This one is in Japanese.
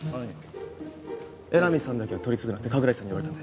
江波さんだけは取り次ぐなって加倉井さんに言われたんで。